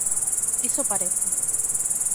Iso parece.